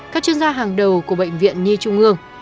các chuyên gia hàng đầu của bệnh viện nhi trung ương